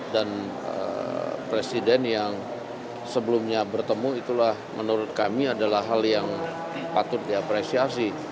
presiden yang sebelumnya bertemu itulah menurut kami adalah hal yang patut diapresiasi